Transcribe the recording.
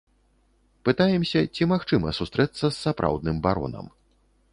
Пытаемся, ці магчыма сустрэцца з сапраўдным баронам.